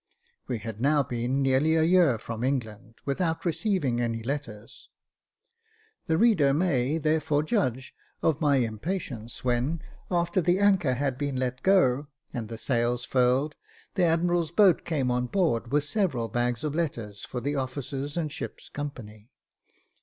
We had now been nearly a year from England without receiving any letters. The reader may, therefore, judge of my impatience when, after the anchor had been let go and the sails furled, the admiral's boat came on board with several bags of letters for the officers and ship's company.